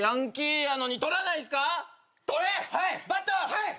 はい！